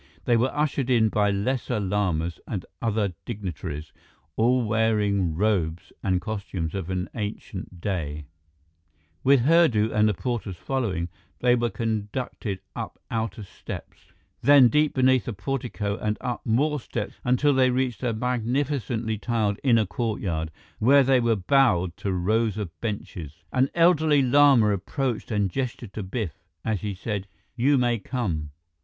They were ushered in by lesser lamas and other dignitaries, all wearing robes and costumes of an ancient day. [Illustration: There, across the mile deep gorge, was the Lost City of Chonsi] With Hurdu and the porters following, they were conducted up outer steps, then deep beneath a portico and up more steps until they reached a magnificently tiled inner courtyard, where they were bowed to rows of benches. An elderly lama approached and gestured to Biff, as he said, "You may come."